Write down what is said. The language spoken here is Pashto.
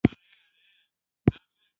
شتمن خلک د رزق قدر کوي او ناشکري نه کوي.